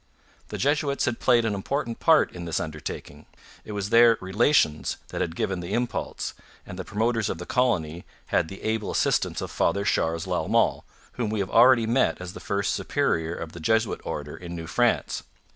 The Jesuits had played an important part in this undertaking. It was their Relations that had given the impulse, and the promoters of the colony had the able assistance of Father Charles Lalemant, whom we have already met as the first superior of the Jesuit order in New France.